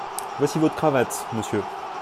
Voici votre cravate, monsieur.